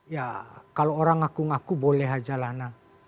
ya kalau orang ngaku ngaku boleh aja lana